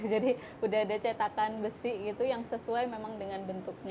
jadi udah ada cetakan besi gitu yang sesuai memang dengan bentuknya